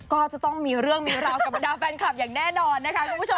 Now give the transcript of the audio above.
ก็จะต้องมีเรื่องมีราวกับบรรดาแฟนคลับอย่างแน่นอนนะคะคุณผู้ชม